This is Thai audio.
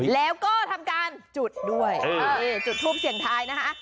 แล้วก็ทำการจุดด้วยจุดทูปเสียงทายนะคะ